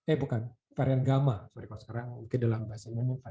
eh bukan varian gamma